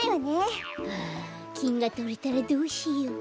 ああきんがとれたらどうしよう。